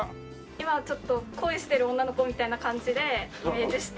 今ちょっと恋してる女の子みたいな感じでイメージして。